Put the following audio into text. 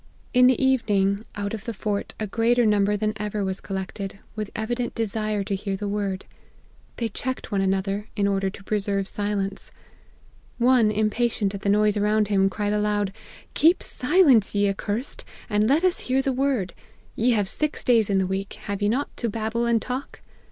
In the evening, out of the fort, a greater number than ever was collected, with evident desire to hear the Word. They check ed one another, in order to preserve silence. One, impatient at the noise around him, cried aloud, 4 Keep silence, ye accursed, and let us hear the Word ! Ye have six days in the week, have ye not, to babble and talk